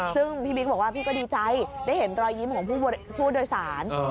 ซึ่งพี่บิ๊กบอกว่าพี่ก็ดีใจได้เห็นรอยยิ้มของผู้โดยสาร